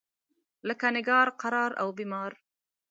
لکه نګار، قرار او بیمار.